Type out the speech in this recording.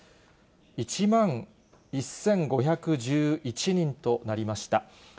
１万１５１１人となりました。